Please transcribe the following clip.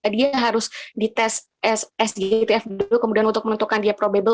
dia harus dites sgtf dulu kemudian untuk menentukan dia probable